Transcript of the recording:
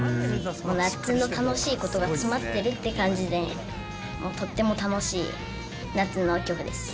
夏の楽しいことが詰まってるって感じで、もうとっても楽しい夏の曲です。